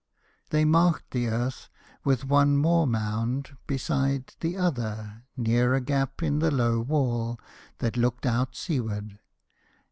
They marked the earth with one more mound beside The other, near a gap in the low wall That looked out seaward.